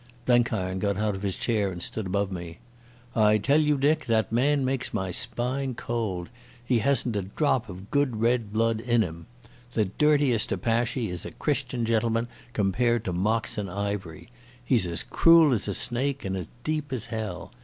Blenkiron got out of his chair and stood above me. "I tell you, Dick, that man makes my spine cold. He hasn't a drop of good red blood in him. The dirtiest apache is a Christian gentleman compared to Moxon Ivery. He's as cruel as a snake and as deep as hell.